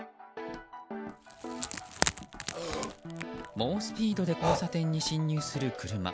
猛スピードで交差点に進入する車。